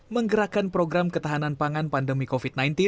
menggerakkan program ketahanan pangan pandemi covid sembilan belas